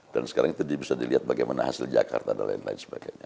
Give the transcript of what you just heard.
dan sekarang itu bisa dilihat bagaimana hasil jakarta dan lain lain sebagainya